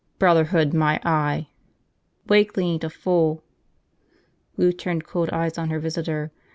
Brotherhood, my eye!" "Wakeley ain't a fool." Lou turned cold eyes on her visitor.